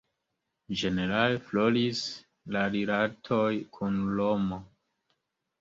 Ĝenerale floris la rilatoj kun Romo.